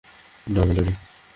না, মেলোডি?